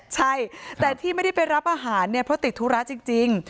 ใช่แต่ที่ไม่ได้ไปรับอาหารเนี่ยเพราะติดธุระจริง